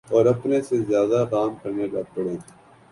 اوراپنے سے زیادہ کام کرنے لگ پڑیں۔